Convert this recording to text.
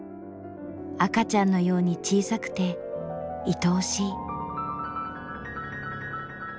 赤ちゃんのように小さくていとおしい。